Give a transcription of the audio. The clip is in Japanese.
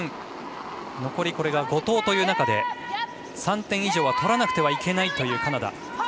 残り５投という中で３点以上は取らなくてはいけないカナダ。